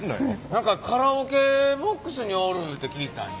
何かカラオケボックスにおるて聞いたんよ。